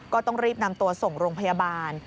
ก็ต้องรีบนำตัวส่งโรงพยาบาล